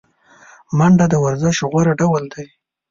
منډه د ورزش غوره ډول دی